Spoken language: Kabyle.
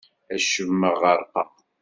Acemma ɣerqeɣ.